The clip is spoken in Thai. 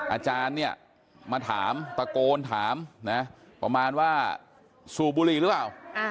อาจารย์เนี่ยมาถามตะโกนถามนะประมาณว่าสูบบุหรี่หรือเปล่า